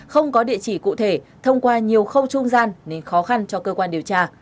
không có địa chỉ cụ thể thông qua nhiều khâu trung gian nên khó khăn cho cơ quan điều tra